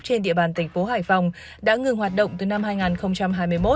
trên địa bàn thành phố hải phòng đã ngừng hoạt động từ năm hai nghìn hai mươi một